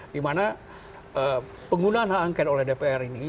dimana penggunaan hak angket oleh dpr ini